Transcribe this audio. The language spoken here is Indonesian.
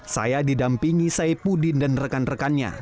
saya didampingi saipudin dan rekan rekannya